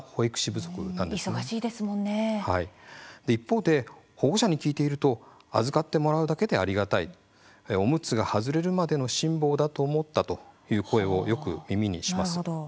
はい、一方で保護者に聞いていると預かってもらうだけでありがたいおむつが外れるまでの辛抱だと思ったという声をよく耳にします。